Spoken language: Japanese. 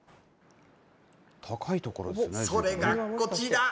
それがこちら。